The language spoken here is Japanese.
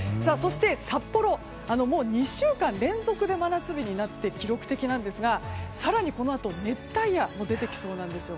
札幌は２週間連続で真夏日になって記録的なんですが更にこのあと熱帯夜も出てきそうなんです。